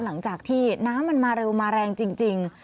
หลังจากที่น้ำมันมาเร็วมาแรงจริง